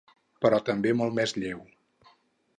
Però també molt més lleu.